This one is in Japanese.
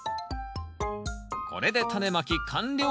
これでタネまき完了！